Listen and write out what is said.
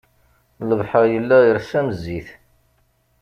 Lebḥer yella ires am zzit